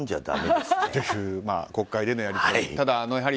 ですね、国会でのやり取り。